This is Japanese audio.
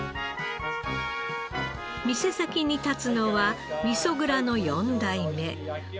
店先に立つのは味噌蔵の４代目森建人さん。